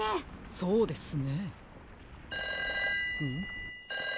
そうですね。